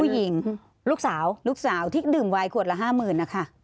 ผู้หญิงลูกสาวลูกสาวที่ดื่มไวน์ขวดละห้าหมื่นนะคะ